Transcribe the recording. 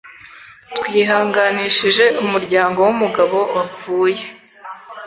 Twihanganishije umuryango w’umugabo wapfuye